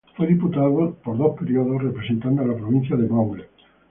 Fue diputado por dos períodos representando a la Provincia de Maule.